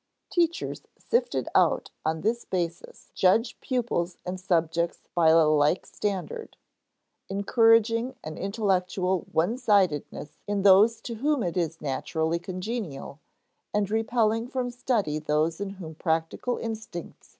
Teachers sifted out on this basis judge pupils and subjects by a like standard, encouraging an intellectual one sidedness in those to whom it is naturally congenial, and repelling from study those in whom practical instincts are more urgent.